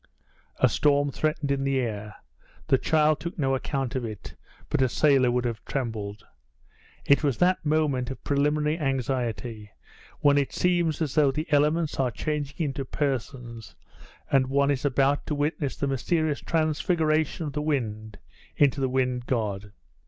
A storm threatened in the air; the child took no account of it, but a sailor would have trembled. It was that moment of preliminary anxiety when it seems as though the elements are changing into persons, and one is about to witness the mysterious transfiguration of the wind into the wind god.